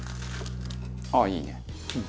あっいいね。